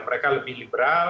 mereka lebih liberal